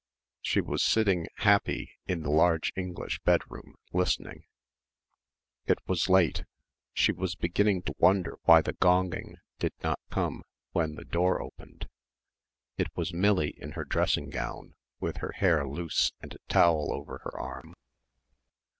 She was sitting, happy, in the large English bedroom, listening. It was late. She was beginning to wonder why the gonging did not come when the door opened. It was Millie in her dressing gown, with her hair loose and a towel over her arm.